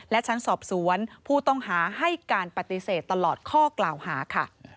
และชั้นสอบสวนผู้ต้องหาให้การปฏิเสธตลอดข้อกล่าวหาค่ะ